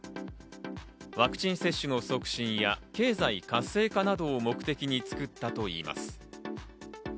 ワクチン接種の促進や経済活性化などを目的に作ったといいます。